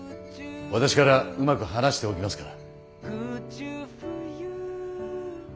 私からうまく話しておきますから。